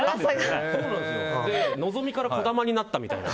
「のぞみ」から「こだま」になったみたいな。